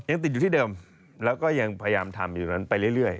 ยังติดอยู่ที่เดิมแล้วก็ยังพยายามทำอยู่นั้นไปเรื่อย